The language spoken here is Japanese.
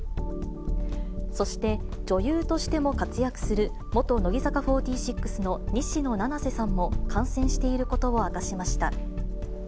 そして女優としても活躍する元乃木坂４６の西野七瀬さんも感染していることを明かしました。